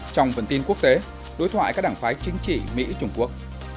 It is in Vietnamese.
trong phần tin quốc tế đối thoại các đảng phái chính trị mỹ trung quốc